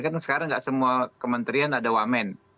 karena sekarang nggak semua kementerian ada wamen